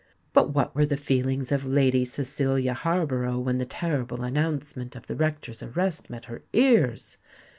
But what were the feelings of Lady Cecilia Harborough when the terrible announcement of the rector's arrest met her ears!